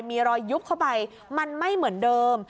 มีรอยยุบเข้าไปมันไม่เหมือนเดิม